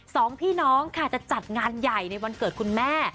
สองพี่น้องค่ะจะจัดงานใหญ่ในวันเกิดคุณแม่